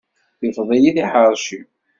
Tifeḍ-iyi tiḥeṛci.